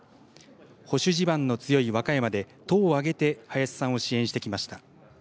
保守地盤の強い和歌山で党を挙げて林さんを支援してきました。